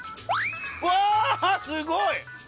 うわすごい！